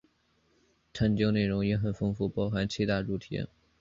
探讨内容也很丰富，包含七大主题